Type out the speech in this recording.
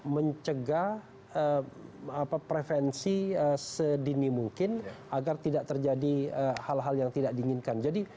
mencegah prevensi sedini mungkin agar tidak terjadi hal hal yang tidak diinginkan jadi